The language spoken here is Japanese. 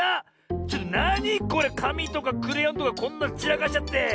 ちょっとなにこれ⁉かみとかクレヨンとかこんなちらかしちゃって。